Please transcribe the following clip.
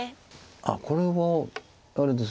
あっこれはあれです。